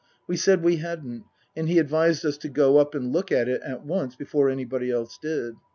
We said we hadn't, and he advised us to go up and look at it at once, before anybody else did.